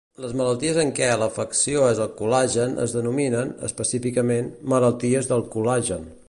Les malalties en què l'afectació és del col·lagen es denominen, específicament, malalties del col·lagen.